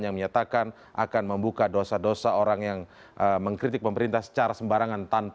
yang menyatakan akan membuka dosa dosa orang yang mengkritik pemerintah secara sembarangan